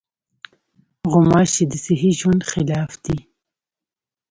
غوماشې د صحي ژوند خلاف دي.